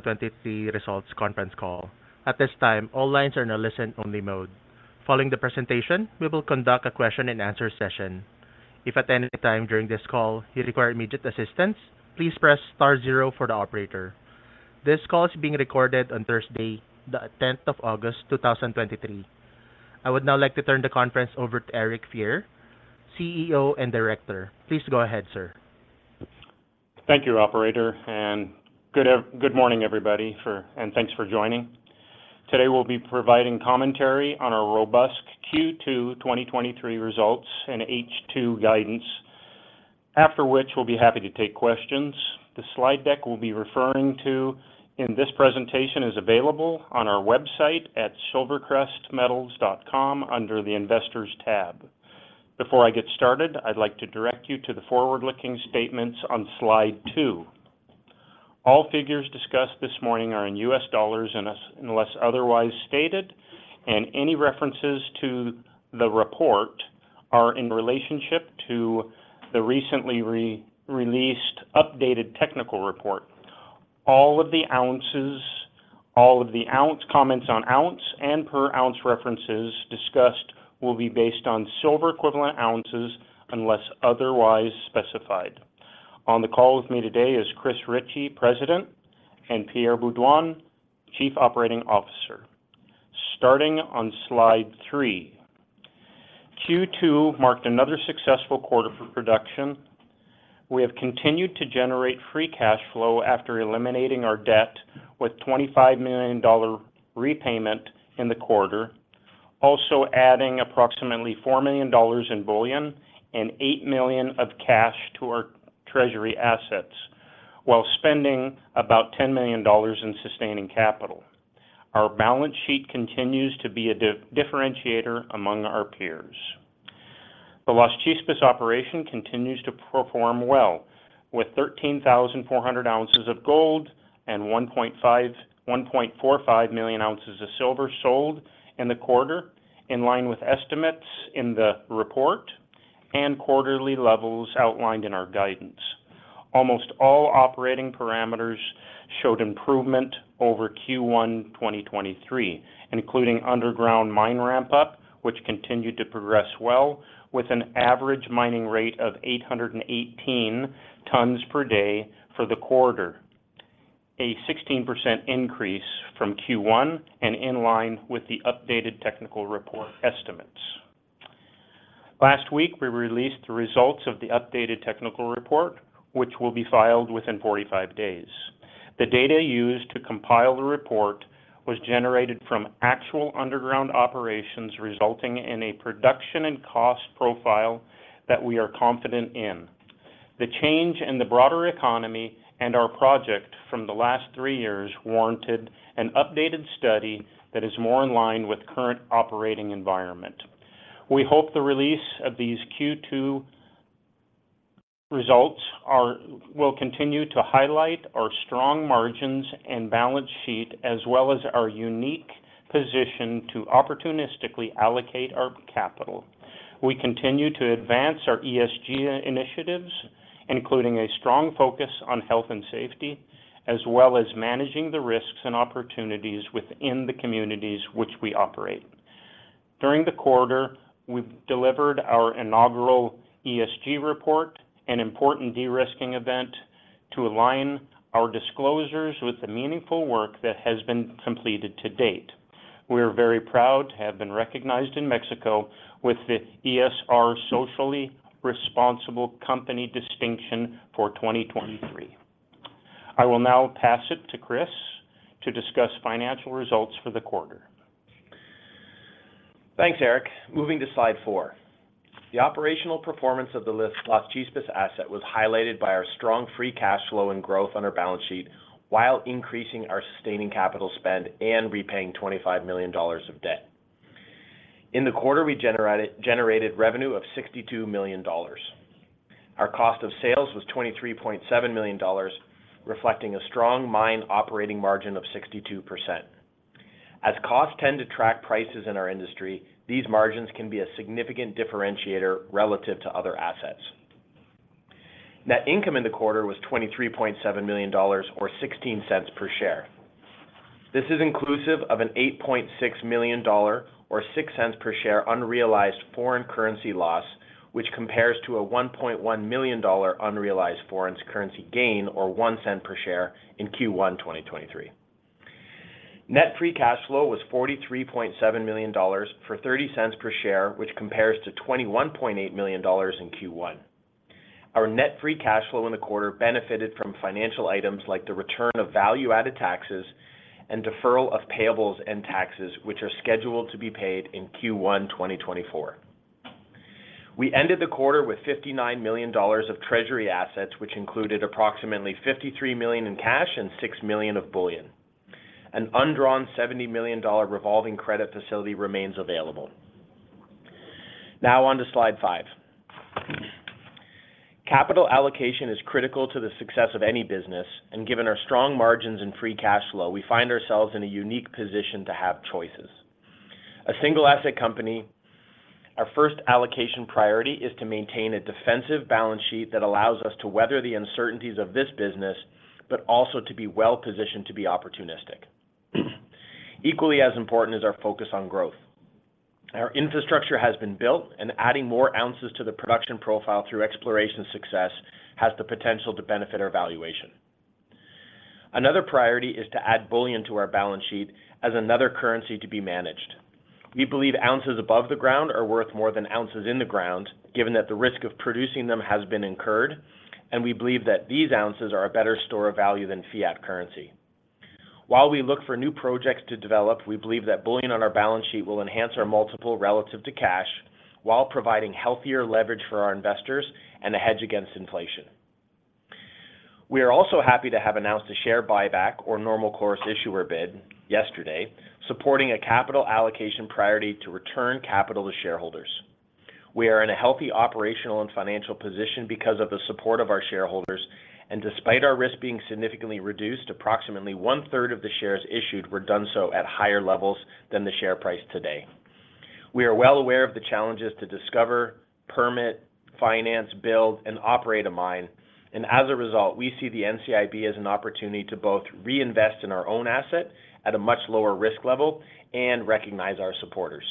2023 results conference call. At this time, all lines are in a listen-only mode. Following the presentation, we will conduct a question-and-answer session. If at any time during this call you require immediate assistance, please press star zero for the operator. This call is being recorded on Thursday, the 10th of August, 2023. I would now like to turn the conference over to Eric Fier, CEO and Director. Please go ahead, sir. Thank you, operator. Good morning, everybody, and thanks for joining. Today, we'll be providing commentary on our robust Q2 2023 results and H2 guidance, after which we'll be happy to take questions. The slide deck we'll be referring to in this presentation is available on our website at silvercrestmetals.com under the Investors tab. Before I get started, I'd like to direct you to the forward-looking statements on slide two. All figures discussed this morning are in U.S. dollars, unless otherwise stated. Any references to the report are in relationship to the recently re-released updated technical report. All of the ounce comments and per ounce references discussed will be based on silver equivalent ounces unless otherwise specified. On the call with me today is Chris Ritchie, President, and Pierre Beaudoin, Chief Operating Officer. Starting on slide three. Q2 marked another successful quarter for production. We have continued to generate free cash flow after eliminating our debt with $25 million repayment in the quarter, also adding approximately $4 million in bullion and $8 million of cash to our treasury assets, while spending about $10 million in sustaining capital. Our balance sheet continues to be a differentiator among our peers. The Las Chispas operation continues to perform well, with 13,400 ounces of gold and 1.45 million ounces of silver sold in the quarter, in line with estimates in the report and quarterly levels outlined in our guidance. Almost all operating parameters showed improvement over Q1 2023, including underground mine ramp-up, which continued to progress well, with an average mining rate of 818 tons per day for the quarter, a 16% increase from Q1 and in line with the updated technical report estimates. Last week, we released the results of the updated technical report, which will be filed within 45 days. The data used to compile the report was generated from actual underground operations, resulting in a production and cost profile that we are confident in. The change in the broader economy and our project from the last three years warranted an updated study that is more in line with current operating environment. We hope the release of these Q2 results will continue to highlight our strong margins and balance sheet, as well as our unique position to opportunistically allocate our capital. We continue to advance our ESG initiatives, including a strong focus on health and safety, as well as managing the risks and opportunities within the communities which we operate. During the quarter, we've delivered our inaugural ESG report, an important de-risking event to align our disclosures with the meaningful work that has been completed to date. We are very proud to have been recognized in Mexico with the ESR Socially Responsible Company Distinction for 2023. I will now pass it to Chris to discuss financial results for the quarter. Thanks, Eric. Moving to slide four. The operational performance of the Las Chispas asset was highlighted by our strong free cash flow and growth on our balance sheet while increasing our sustaining capital spend and repaying $25 million of debt. In the quarter, we generated revenue of $62 million. Our cost of sales was $23.7 million, reflecting a strong mine operating margin of 62%. As costs tend to track prices in our industry, these margins can be a significant differentiator relative to other assets. Net income in the quarter was $23.7 million or $0.16 per share. This is inclusive of an $8.6 million or $0.06 per share unrealized foreign currency loss, which compares to a $1.1 million unrealized foreign currency gain, or $0.01 per share in Q1 2023. Net free cash flow was $43.7 million for $0.30 per share, which compares to $21.8 million in Q1. Our net free cash flow in the quarter benefited from financial items like the return of value-added taxes and deferral of payables and taxes, which are scheduled to be paid in Q1 2024. We ended the quarter with $59 million of treasury assets, which included approximately $53 million in cash and $6 million of bullion. An undrawn $70 million revolving credit facility remains available. Now on to slide five. Capital allocation is critical to the success of any business, and given our strong margins and free cash flow, we find ourselves in a unique position to have choices. A single asset company—Our first allocation priority is to maintain a defensive balance sheet that allows us to weather the uncertainties of this business, but also to be well-positioned to be opportunistic. Equally as important is our focus on growth. Our infrastructure has been built, and adding more ounces to the production profile through exploration success has the potential to benefit our valuation. Another priority is to add bullion to our balance sheet as another currency to be managed. We believe ounces above the ground are worth more than ounces in the ground, given that the risk of producing them has been incurred, and we believe that these ounces are a better store of value than fiat currency. While we look for new projects to develop, we believe that bullion on our balance sheet will enhance our multiple relative to cash, while providing healthier leverage for our investors and a hedge against inflation. We are also happy to have announced a share buyback or Normal Course Issuer Bid yesterday, supporting a capital allocation priority to return capital to shareholders. We are in a healthy operational and financial position because of the support of our shareholders and despite our risk being significantly reduced, approximately 1/3 of the shares issued were done so at higher levels than the share price today. We are well aware of the challenges to discover, permit, finance, build, and operate a mine. As a result, we see the NCIB as an opportunity to both reinvest in our own asset at a much lower risk level and recognize our supporters.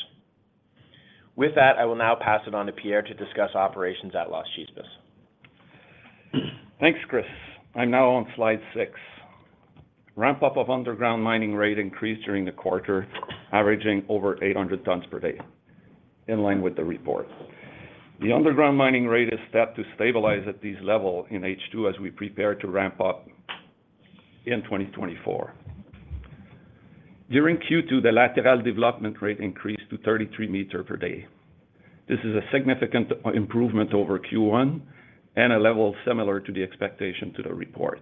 With that, I will now pass it on to Pierre to discuss operations at Las Chispas. Thanks, Chris. I'm now on slide six. Ramp-up of underground mining rate increased during the quarter, averaging over 800 tons per day, in line with the report. The underground mining rate is set to stabilize at this level in H2 as we prepare to ramp up in 2024. During Q2, the lateral development rate increased to 33 meters per day. This is a significant improvement over Q1 and a level similar to the expectation to the report.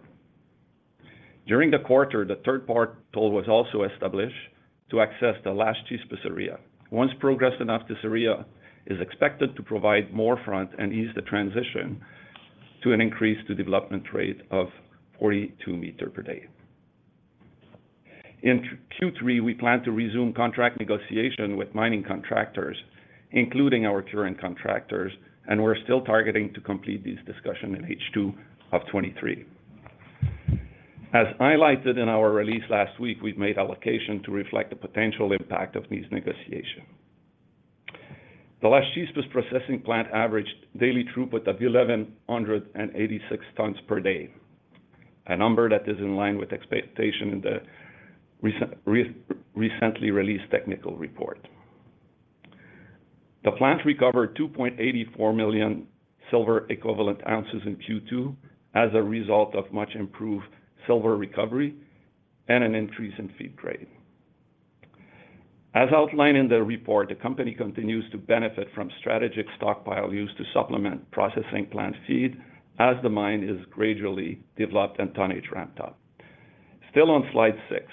During the quarter, the third-party toll was also established to access the Las Chispas area. Once progressed enough, this area is expected to provide more front and ease the transition to an increase to development rate of 42 meters per day. In Q3, we plan to resume contract negotiation with mining contractors, including our current contractors, and we're still targeting to complete this discussion in H2 of 2023. As highlighted in our release last week, we've made allocation to reflect the potential impact of these negotiations. The Las Chispas processing plant averaged daily throughput of 1,186 tons per day, a number that is in line with expectation in the recently released technical report. The plant recovered 2.84 million silver equivalent ounces in Q2 as a result of much improved silver recovery and an increase in feed grade. As outlined in the report, the company continues to benefit from strategic stockpile use to supplement processing plant feed as the mine is gradually developed and tonnage ramped up. Still on slide six,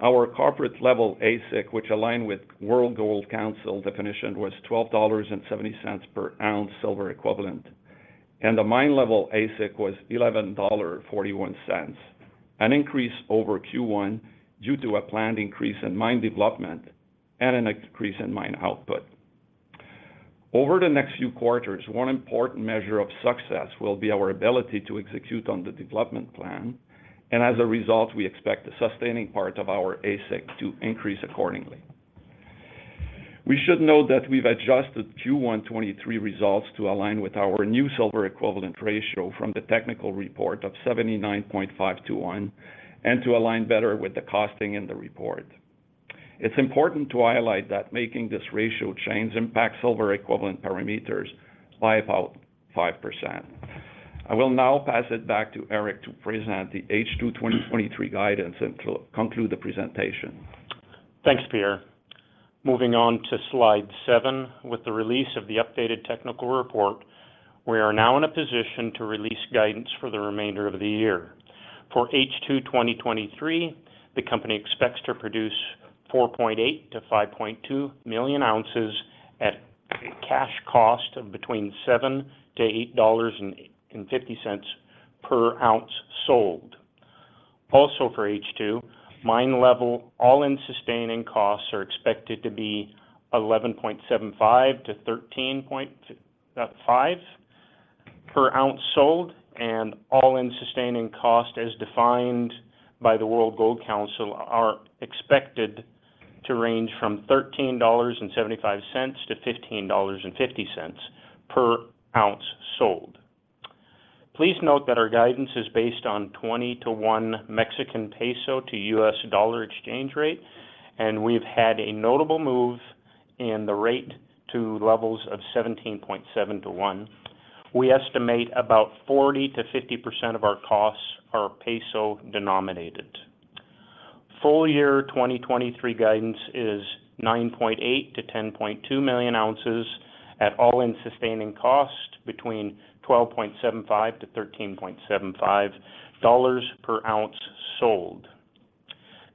our corporate level AISC, which align with World Gold Council definition, was $12.70 per ounce silver equivalent, the mine level AISC was $11.41, an increase over Q1 due to a planned increase in mine development and an increase in mine output. Over the next few quarters, one important measure of success will be our ability to execute on the development plan, as a result, we expect the sustaining part of our AISC to increase accordingly. We should note that we've adjusted Q1 2023 results to align with our new silver equivalent ratio from the technical report of 79.5 to 1 and to align better with the costing in the report. It's important to highlight that making this ratio change impacts silver equivalent parameters by about 5%. I will now pass it back to Eric to present the H2 2023 guidance and to conclude the presentation. Thanks, Pierre. Moving on to slide seven. With the release of the updated technical report, we are now in a position to release guidance for the remainder of the year. For H2 2023, the company expects to produce 4.8 million to 5.2 million ounces at cash cost of between $7.00-$8.50 per ounce sold. For H2, mine level, all-in sustaining costs are expected to be $11.75-$13.50 per ounce sold, and all-in sustaining costs, as defined by the World Gold Council, are expected to range from $13.75-$15.50 per ounce sold. Please note that our guidance is based on 20 to USD 1 exchange rate, and we've had a notable move in the rate to levels of 17.7 to 1. We estimate about 40%-50% of our costs are peso-denominated. Full year 2023 guidance is 9.8 million-10.2 million ounces at All-in sustaining costs between $12.75-$13.75 per ounce sold.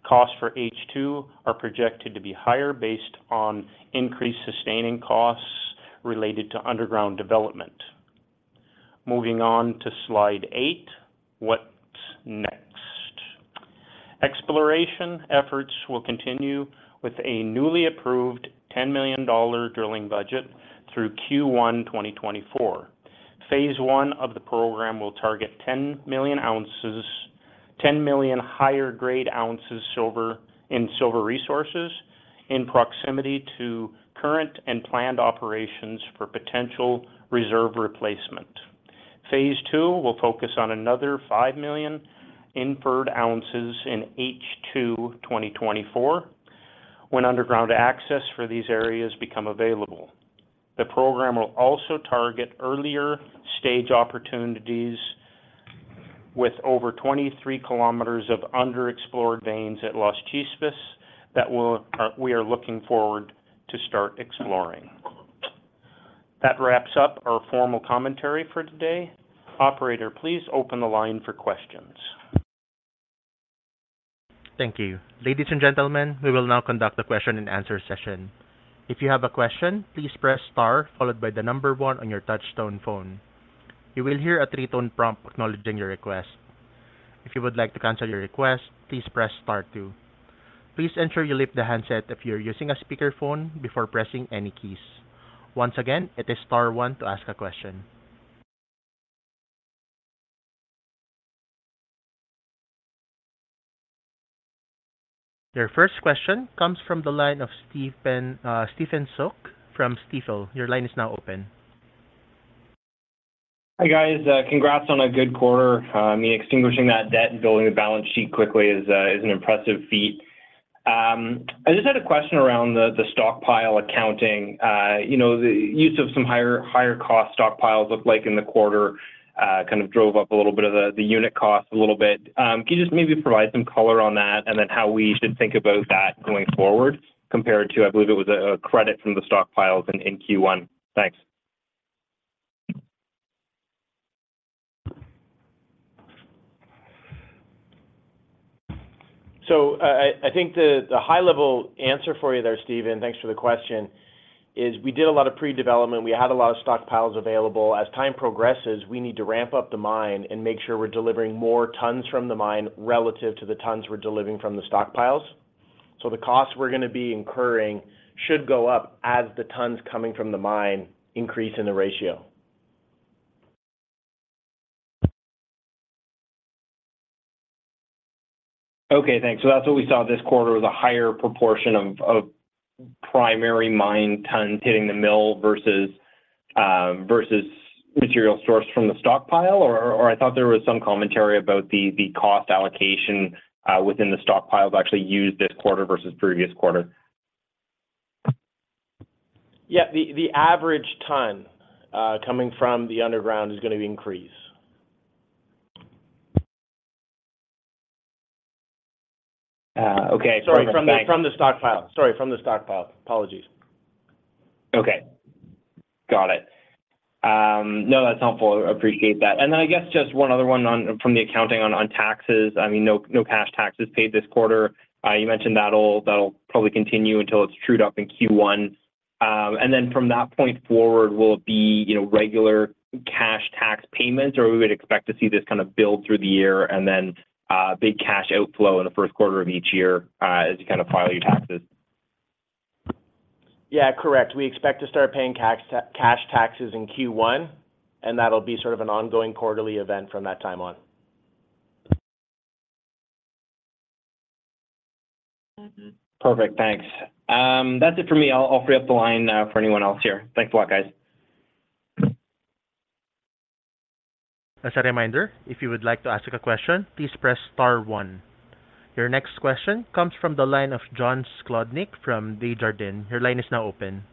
Costs for H2 are projected to be higher based on increased sustaining costs related to underground development. Moving on to slide eight, what's next? Exploration efforts will continue with a newly approved $10 million drilling budget through Q1 2024. Phase I of the program will target 10 million higher grade ounces silver in silver resources in proximity to current and planned operations for potential reserve replacement. Phase II will focus on another 5 million inferred ounces in H2, 2024, when underground access for these areas become available. The program will also target earlier stage opportunities with over 23 kilometers of underexplored veins at Las Chispas that we're, we are looking forward to start exploring. That wraps up our formal commentary for today. Operator, please open the line for questions. Thank you. Ladies and gentlemen, we will now conduct a question and answer session. If you have a question, please press Star followed by the number one on your touchtone phone. You will hear a three-tone prompt acknowledging your request. If you would like to cancel your request, please press Star two. Please ensure you lift the handset if you're using a speakerphone before pressing any keys. Once again, it is Star one to ask a question. Your first question comes from the line of Stephen Butland from Stifel. Your line is now open. Hi, guys. Congrats on a good quarter. I mean, extinguishing that debt and building the balance sheet quickly is, is an impressive feat. I just had a question around the, the stockpile accounting. You know, the use of some higher, higher cost stockpiles, looked like in the quarter, kind of drove up a little bit of the, the unit cost a little bit. Can you just maybe provide some color on that, and then how we should think about that going forward, compared to, I believe it was a, a credit from the stockpiles in, in Q1? Thanks. I think the high-level answer for you there, Stephen, thanks for the question, is we did a lot of predevelopment. We had a lot of stockpiles available. As time progresses, we need to ramp up the mine and make sure we're delivering more tons from the mine relative to the tons we're delivering from the stockpiles. The costs we're going to be incurring should go up as the tons coming from the mine increase in the ratio. Okay, thanks. That's what we saw this quarter, was a higher proportion of, of primary mine tons hitting the mill versus, versus material sourced from the stockpile, or I thought there was some commentary about the, the cost allocation within the stockpiles actually used this quarter versus previous quarter. Yeah, the average ton coming from the underground is going to increase. Okay. Sorry, from the, from the stockpile. Sorry, from the stockpile. Apologies. Okay. Got it. No, that's helpful. I appreciate that. Then I guess just one other one on, from the accounting on, on taxes. No, no cash taxes paid this quarter. You mentioned that'll probably continue until it's trued up in Q1. Then from that point forward, will it be regular cash tax payments, or we would expect to see this kind of build through the year and then big cash outflow in the first quarter of each year, as you kind of file your taxes? Yeah, correct. We expect to start paying tax, cash taxes in Q1, and that'll be sort of an ongoing quarterly event from that time on. Perfect, thanks. That's it for me. I'll free up the line for anyone else here. Thanks a lot, guys. As a reminder, if you would like to ask a question, please press Star one. Your next question comes from the line of John Sclodnick from Desjardins. Your line is now open.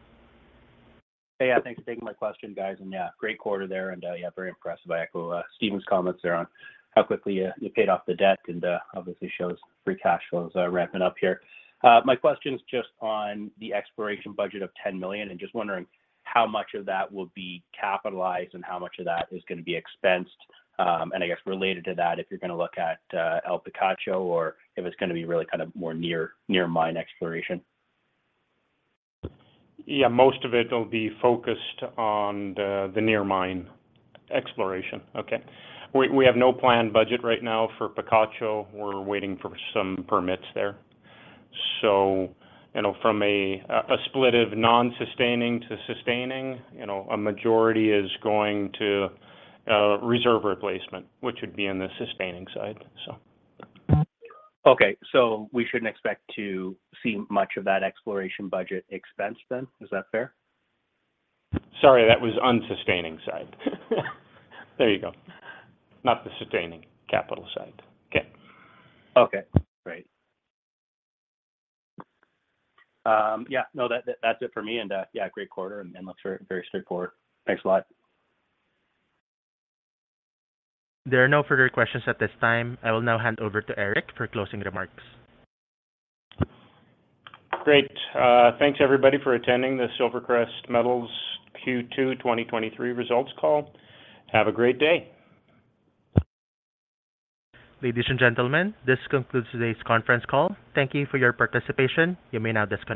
Hey, thanks for taking my question, guys. Yeah, great quarter there, and, yeah, very impressed by echo, Stephen's comments there on how quickly you, you paid off the debt, and obviously shows free cash flows are ramping up here. My question is just on the exploration budget of $10 million, and just wondering how much of that will be capitalized and how much of that is going to be expensed. I guess related to that, if you're going to look at, El Picacho or if it's going to be really kind of more near, near mine exploration? Yeah, most of it will be focused on the, the near mine exploration. Okay? We, we have no planned budget right now for Picacho. We're waiting for some permits there. You know, from a, a split of non-sustaining to sustaining, you know, a majority is going to reserve replacement, which would be in the sustaining side. Okay. We shouldn't expect to see much of that exploration budget expense then? Is that fair? Sorry, that was unsustaining side. There you go. Not the sustaining capital side. Okay. Okay, great. Yeah, no, that, that's it for me. Yeah, great quarter and looks very straightforward. Thanks a lot. There are no further questions at this time. I will now hand over to Eric for closing remarks. Great. thanks, everybody, for attending this SilverCrest Metals Q2 2023 results call. Have a great day. Ladies and gentlemen, this concludes today's conference call. Thank you for your participation. You may now disconnect.